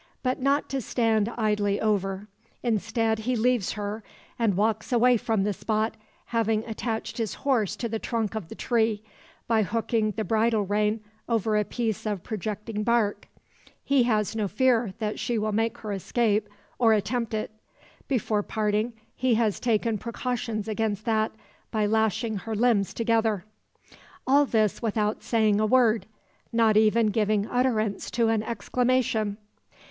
But not to stand idly over. Instead, he leaves her, and walks away from the spot, having attached his horse to the trunk of the tree, by hooking the bridle rein over a piece of projecting bark. He has no fear that she will make her escape, or attempt it. Before parting he has taken precautions against that, by lashing her limbs together. All this without saying a word not even giving utterance to an exclamation!